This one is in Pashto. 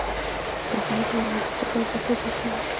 د کارخانې څخه بهر د توکو ارزښت نه زیاتېږي